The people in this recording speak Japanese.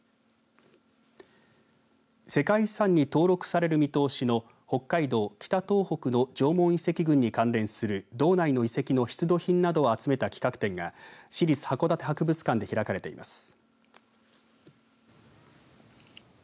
世界遺産に登録される見通しの北海道・北東北の縄文遺跡群に関連する道内の遺跡の出土品などを集めた企画展が市立函館博物館で開かれています。